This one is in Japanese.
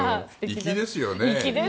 粋ですよね。